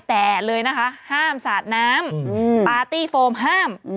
แต่เลยนะคะห้ามสาดน้ำปาร์ตี้โฟมห้าม